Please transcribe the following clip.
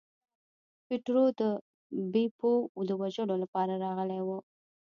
پیټرو د بیپو د وژلو لپاره راغلی و.